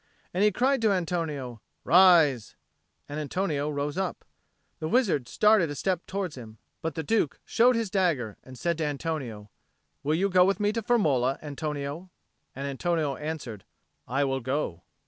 And he cried to Antonio, "Rise." And Antonio rose up. The wizard started a step towards him; but the Duke showed his dagger, and said to Antonio, "Will you go with me to Firmola, Antonio?" And Antonio answered, "I will go."